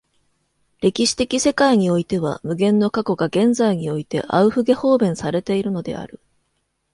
歴史的世界においては無限の過去が現在においてアウフゲホーベンされているのである。